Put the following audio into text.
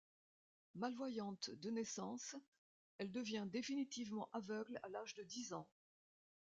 Malvoyante de naissance, elle devient définitivement aveugle à l'âge de dix ans.